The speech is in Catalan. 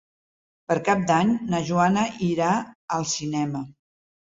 Per Cap d'Any na Joana irà al cinema.